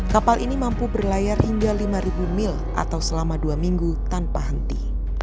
kapal ini mampu berlayar hingga lima mil atau selama dua minggu tanpa henti